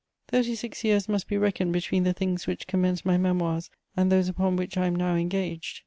Thirty six years must be reckoned between the things which commence my Memoirs and those upon which I am now engaged.